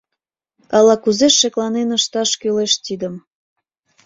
Ала-кузе шекланен ышташ кӱлеш тидым...